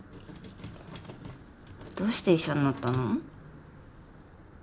どうして医者になったの？